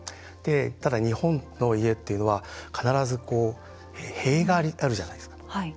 ただ、日本の家っていうのは必ず塀があるじゃないですか。